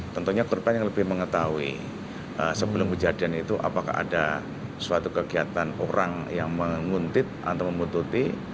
tentunya korban yang lebih mengetahui sebelum kejadian itu apakah ada suatu kegiatan orang yang menguntit atau memututi